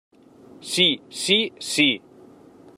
Sí, sí, sí.